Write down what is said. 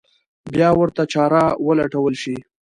بیا ورته چاره ولټول شي.